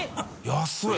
安い！